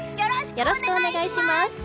よろしくお願いします！